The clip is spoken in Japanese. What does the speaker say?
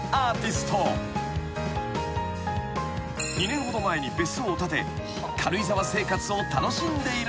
［２年ほど前に別荘を建て軽井沢生活を楽しんでいるそう］